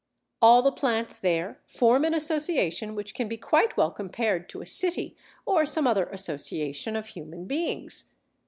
All the plants there form an association which can be quite well compared to a city or some other association of human beings.